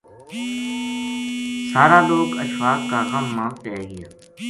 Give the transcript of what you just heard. سارا لوک اشفاق کا غم ما پے گیا